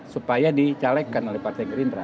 supaya dicalekkan oleh partai gerindra